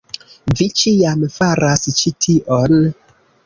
Vi ĉiam faras ĉi tion